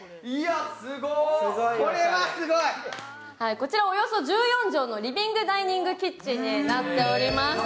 こちらおよそ１４畳のリビングダイニングキッチンになっております。